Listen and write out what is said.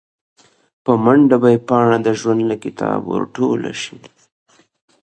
په منډه به مې پاڼه د ژوند له کتابه ور ټوله شي